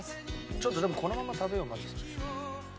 ちょっとでもこのまま食べようまず最初。